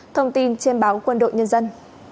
thông tin trên báo quân đội nhân dân